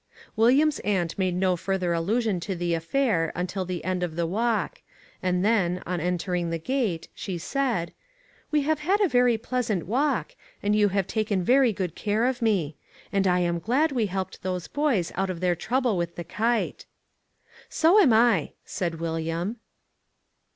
William's aunt made no further allusion to the affair until the end of the walk, and then, on entering the gate, she said, "We have had a very pleasant walk, and you have taken very good care of me. And I am glad we helped those boys out of their trouble with the kite." "So am I," said William.